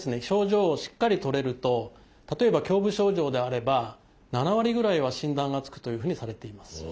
症状をしっかり取れると例えば胸部症状であれば７割ぐらいは診断がつくというふうにされています。